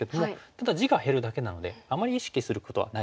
ただ地が減るだけなのであまり意識することはないですね。